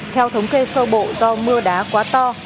theo thống kê sơ bộ do mưa đá quá to